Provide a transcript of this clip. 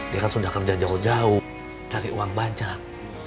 dia kan sudah kerja jauh jauh cari uang banyak